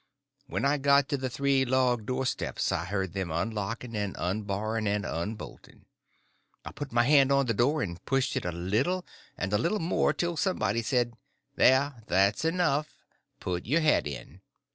When I got to the three log doorsteps I heard them unlocking and unbarring and unbolting. I put my hand on the door and pushed it a little and a little more till somebody said, "There, that's enough—put your head in."